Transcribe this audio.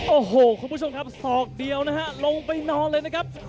โอ้โหคุณผู้ชมครับศอกเดียวนะฮะลงไปนอนเลยนะครับ